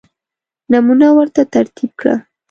نمونه ورته ترتیب کړه.